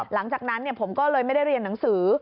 หลังจากนั้นผมก็เลยไม่ได้เรียนหนังสือ